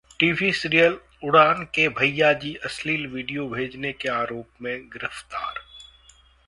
TV serial 'Udaan' के 'भैयाजी' अश्लील video भेजने के आरोप में गिरफ्तार